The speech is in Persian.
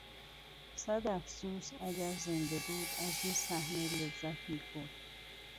صد افسوس، اگر زنده بود از این صحنه لذت میبرد.